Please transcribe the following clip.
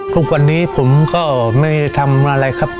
ทุกวันนี้ผมก็ไม่ทำอะไรครับ